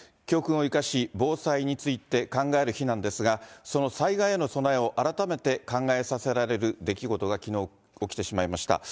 教訓を生かし防災について考える日なんですが、その災害への備えを改めて考えさせられる出来事がきのう、起きてしまいました。